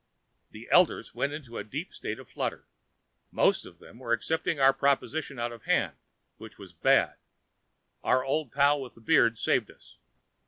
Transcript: The elders went into a deep state of flutter. Most of them were for accepting our proposition out of hand which was bad. Our old pal with the beard saved us.